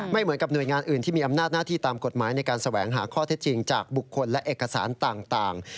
เหมือนกับหน่วยงานอื่นที่มีอำนาจหน้าที่ตามกฎหมายในการแสวงหาข้อเท็จจริงจากบุคคลและเอกสารต่าง